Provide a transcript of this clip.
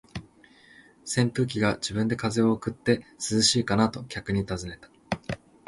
扇風機が自分で風を送って、「涼しいかな？」と客に尋ねた。